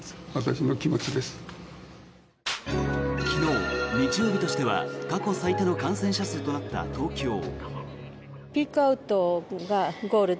昨日、日曜日としては過去最多の感染者数となった東京。